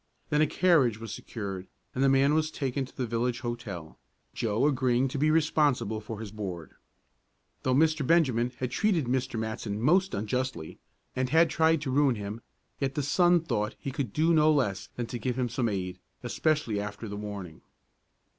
Then a carriage was secured, and the man was taken to the village hotel, Joe agreeing to be responsible for his board. Though Mr. Benjamin had treated Mr. Matson most unjustly, and had tried to ruin him, yet the son thought he could do no less than to give him some aid, especially after the warning.